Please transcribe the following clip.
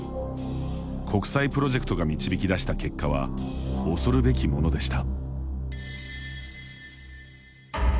国際プロジェクトが導き出した結果は恐るべきものでした。